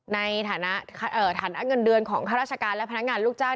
ในฐานะฐานะเงินเดือนของข้าราชการและพนักงานลูกจ้าง